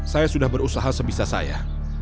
saya sudah berusaha sebisa saya